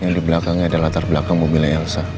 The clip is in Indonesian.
yang di belakangnya ada latar belakang mobilnya elsa